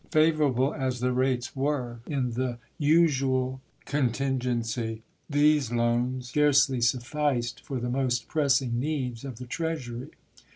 Favorable as the rates were in the unusual contin "So7s.' gency, these loans scarcely sufficed for the most ■p. 213.^' pressing needs of the Treasury.